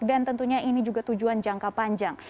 dan tentunya ini juga tujuan jangka panjang